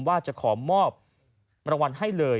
ว่าจะขอมอบมรวมให้เลย